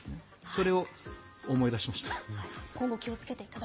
それを思い出しました。